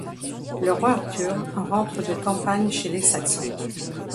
Le roi Arthur rentre de campagne chez les Saxons.